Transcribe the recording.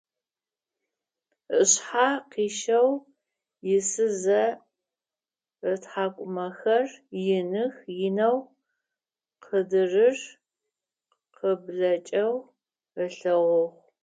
Ышъхьэ къищэу исызэ, ытхьакӀумэхэр ины-инэу къыдырыр къыблэкӀэу ылъэгъугъ.